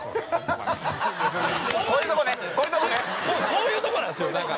こういうとこなんですよだから。